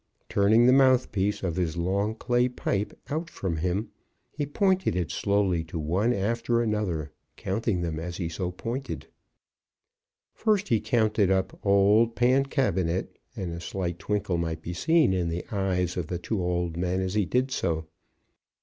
Turning the mouthpiece of his long pipe clay out from him, he pointed it slowly to one after another, counting them as he so pointed. First he counted up old Pancabinet, and a slight twinkle might be seen in the eyes of the two old men as he did so.